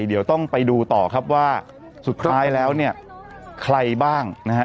เดี๋ยวต้องไปดูต่อครับว่าสุดท้ายแล้วเนี่ยใครบ้างนะฮะ